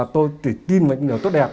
tôi tự tin vào những điều tốt đẹp